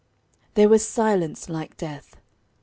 There was silence like death.